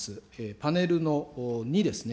パネルの２ですね。